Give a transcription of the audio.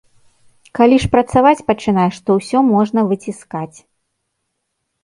Калі ж працаваць пачынаеш, то ўсё можна выціскаць.